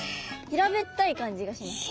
平べったい感じがします。